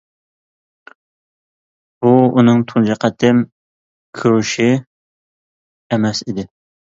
بۇ ئۇنىڭ تۇنجى قېتىم كۆرۈشى ئەمەس ئىدى.